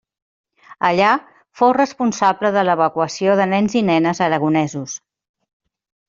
Allà fou responsable de l’evacuació de nens i nenes aragonesos.